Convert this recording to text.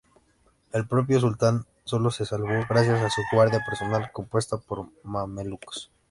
El propio sultán solo se salvó gracias a su guardia personal, compuesta por mamelucos.